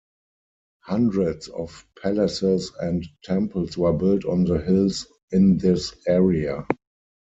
Hundreds of palaces and temples were built on the hills in this area.